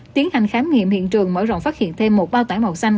tiến hành khám nghiệm hiện trường mở rộng phát hiện thêm một bao tải màu xanh